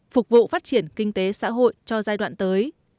phục vụ phát triển kinh tế xã hội cho giai đoạn tới